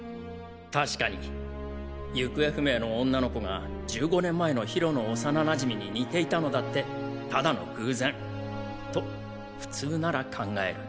確かに行方不明の女の子が１５年前のヒロの幼なじみに似ていたのだってただの偶然と普通なら考える。